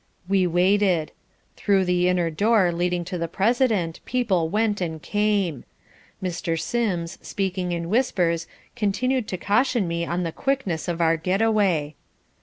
We waited. Through the inner door leading to the President people went and came. Mr. Sims, speaking in whispers, continued to caution me on the quickness of our get away.